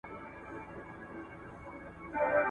توبه لرم پر شونډو ماتوې یې او که نه `